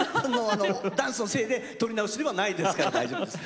ダンスのせいで撮り直しではないですから大丈夫です。